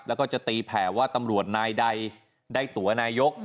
แล้วก็จะตีแผ่ว่าตำรวจนายใดได้ตัวนายก